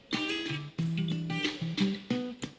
ขอบคุณค่ะ